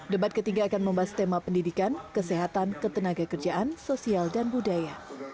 debat ketiga akan membahas tema pendidikan kesehatan ketenaga kerjaan sosial dan budaya